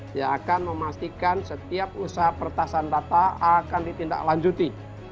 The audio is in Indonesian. dia akan memastikan setiap usaha pertasan data akan ditindaklanjuti